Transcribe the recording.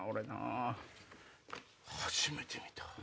初めて見た。